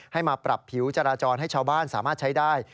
ให้มาปรับผิวจราจรให้ชาวบ้านสามารถใช้ได้